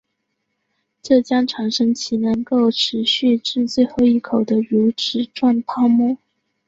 这将产生其能够持续至最后一口的乳脂状泡沫。